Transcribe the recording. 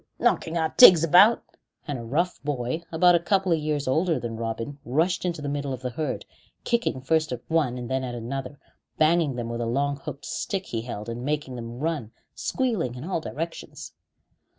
knocking our tigs about!" And a rough boy about a couple of years older than Robin rushed into the middle of the herd, kicking first at one and then at another, banging them with a long hooked stick he held, and making them run squealing in all directions.